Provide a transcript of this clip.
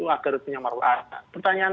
agar punya maruah pertanyaan